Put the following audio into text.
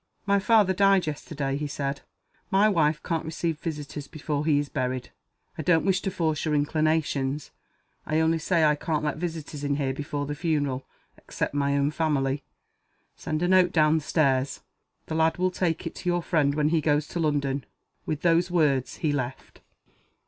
"My father died yesterday," he said. "My wife can't receive visitors before he is buried. I don't wish to force your inclinations. I only say I can't let visitors in here before the funeral except my own family. Send a note down stairs. The lad will take it to your friend when he goes to London." With those words he left.